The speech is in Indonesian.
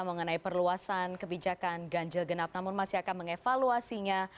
mengenai perluasan kebijakan ganjil genap namun masih akan mengevaluasinya